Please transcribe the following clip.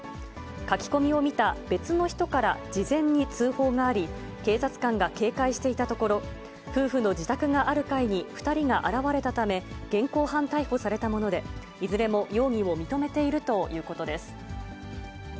書き込みを見た別の人から事前に通報があり、警察官が警戒していたところ、夫婦の自宅がある階に２人が現れたため、現行犯逮捕されたもので、いずれも容疑を認めているということです。